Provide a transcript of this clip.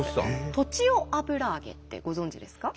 栃尾油揚げってご存じですか？